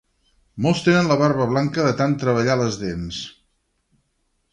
Molts tenen la barba blanca de tant treballar les dents.